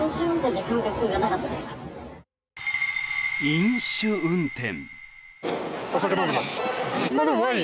飲酒運転。